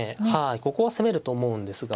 ここは攻めると思うんですが。